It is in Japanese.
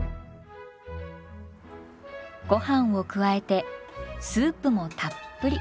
ごはんを加えてスープもたっぷり。